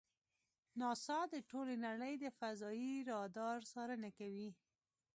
ناسا د ټولې نړۍ د فضایي رادار څارنه کوي.